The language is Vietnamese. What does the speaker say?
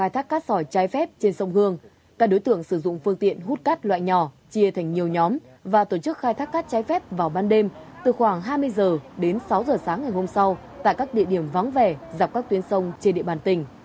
các thác trên sông hương các đối tượng sử dụng phương tiện hút cát loại nhỏ chia thành nhiều nhóm và tổ chức khai thác cát trái phép vào ban đêm từ khoảng hai mươi h đến sáu giờ sáng ngày hôm sau tại các địa điểm vắng vẻ dọc các tuyến sông trên địa bàn tỉnh